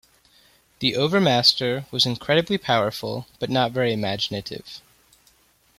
The Overmaster was incredibly powerful but not very imaginative.